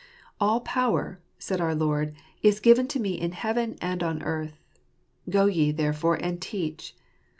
"All power," said our Lord, « is given to Me in heaven and on earth: go ye therefore, and teach."